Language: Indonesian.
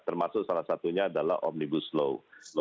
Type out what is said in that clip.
termasuk salah satunya adalah omnibus law